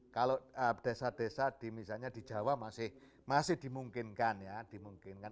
kalau desa desa di misalnya di jawa masih dimungkinkan ya dimungkinkan